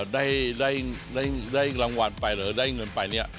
ได้รางวัลไปหรือได้เงินไปเนี่ย